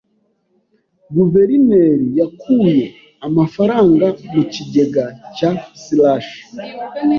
Guverineri yakuye amafaranga mu kigega cya slush.